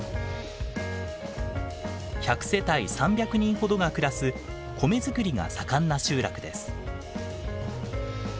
１００世帯３００人ほどが暮らす米作りが盛んな集落です。